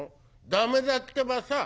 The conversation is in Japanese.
「駄目だってばさ。